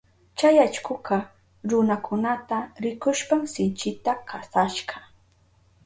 Chay allkuka runakunata rikushpan sinchita kasashka.